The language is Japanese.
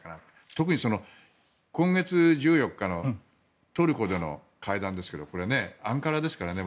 特に今月１４日のトルコでの会談ですがこれ、アンカラですからね。